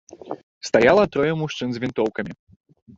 Стаяла трое мужчын з вінтоўкамі.